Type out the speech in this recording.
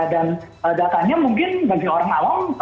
dan datanya mungkin bagi orang awam